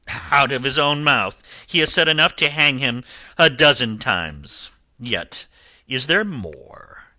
Out of his own mouth he has said enough to hang him a dozen times. Yet is there more.